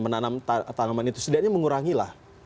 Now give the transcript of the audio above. menanam tanaman itu sebenarnya mengurangi lah